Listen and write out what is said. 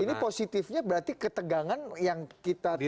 ini positifnya berarti ketegangan yang kita tidak harapkan